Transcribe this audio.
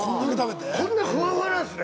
◆こんなふわふわなんですね。